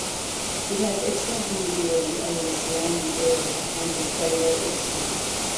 It has excellent visibility over the surrounding area and the Sado estuary.